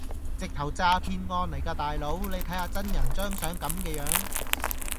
直頭詐騙案嚟㗎大佬你睇吓真人張相咁嘅樣